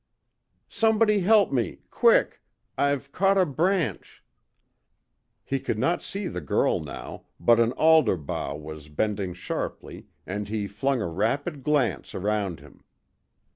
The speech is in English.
"Somebody help me, quick; I've caught a branch." He could not see the girl now, but an alder bough was bending sharply, and he flung a rapid glance around him.